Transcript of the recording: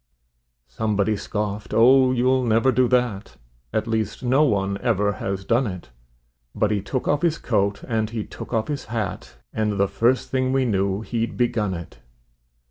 Somebody scoffed: "Oh, you'll never do that; At least no one ever has done it"; But he took off his coat and he took off his hat, And the first thing we knew he'd begun it.